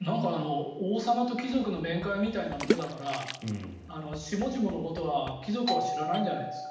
なんか、王様と貴族の面会みたいなものだから下々のことは、貴族は知らないんじゃないですか？